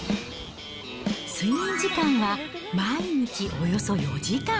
睡眠時間は毎日およそ４時間。